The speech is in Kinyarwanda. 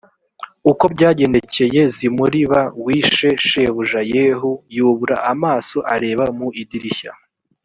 uko byagendekeye zimurib wishe shebuja yehu yubura amaso areba mu idirishya